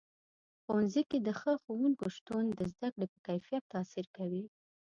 ښوونځي کې د ښه ښوونکو شتون د زده کړې په کیفیت تاثیر کوي.